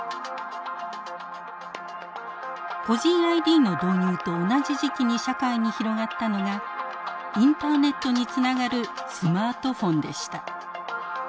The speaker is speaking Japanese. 個人ＩＤの導入と同じ時期に社会に広がったのがインターネットにつながるスマートフォンでした。